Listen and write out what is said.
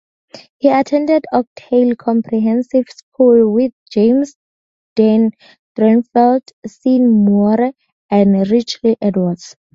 He attended Oakdale Comprehensive School with James Dean Bradfield, Sean Moore and Richey Edwards.